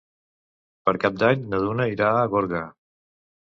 Per Cap d'Any na Dúnia irà a Gorga.